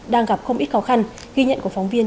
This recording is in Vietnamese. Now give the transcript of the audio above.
đang gặp không ít khó khăn ghi nhận của phóng viên